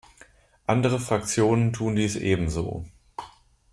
Andere Fraktionen tun dies ebenso.